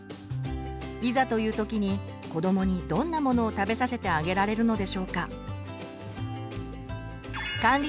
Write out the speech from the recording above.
いざという時に子どもにどんなものを食べさせてあげられるのでしょうか？